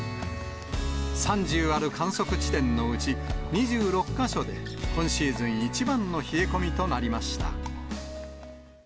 ３０ある観測地点のうち２６か所で、今シーズン一番の冷え込みとなりました。